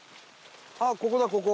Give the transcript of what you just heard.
あっここだここ。